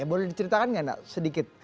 boleh diceritakan nggak nak sedikit